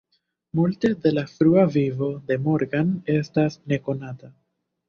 Multe de la frua vivo de Morgan estas nekonata.